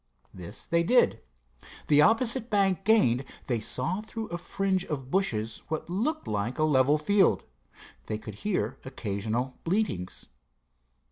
This they did. The opposite bank gained, they saw through a fringe of bushes what looked like a level field. They could hear occasional bleatings.